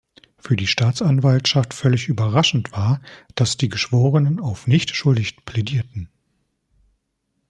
Für die Staatsanwaltschaft völlig überraschend war, dass die Geschworenen auf "nicht schuldig" plädierten.